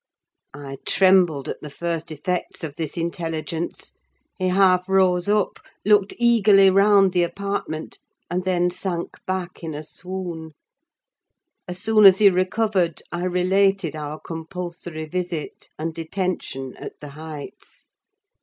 I trembled at the first effects of this intelligence: he half rose up, looked eagerly round the apartment, and then sank back in a swoon. As soon as he recovered, I related our compulsory visit, and detention at the Heights.